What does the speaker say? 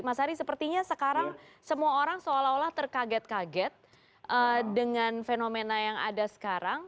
mas ari sepertinya sekarang semua orang seolah olah terkaget kaget dengan fenomena yang ada sekarang